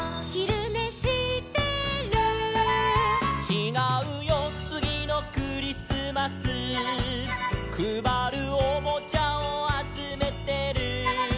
「ちがうよつぎのクリスマス」「くばるおもちゃをあつめてる」